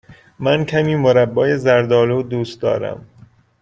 من کمی مربای زرد آلو دوست دارم.